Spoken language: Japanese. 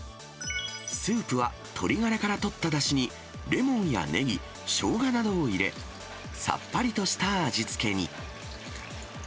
スープは鶏ガラからとっただしに、レモンやネギ、ショウガなどを入れ、さっぱりとした味付けに。